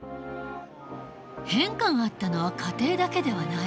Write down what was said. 変化があったのは家庭だけではない。